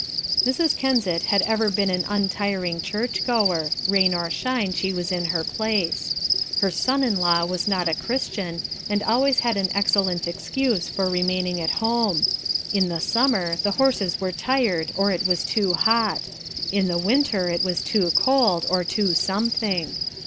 Mrs. Kensett had ever been an untiring church goer; rain or shine, she was in her place. Her son in law was not a Christian, and always had an excellent excuse for remaining at home, in the summer the horses were tired, or it was too hot; in the winter it was too cold, or too something.